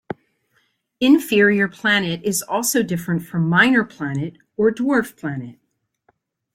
Inferior planet is also different from minor planet or dwarf planet.